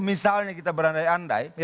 misalnya kita berandai andai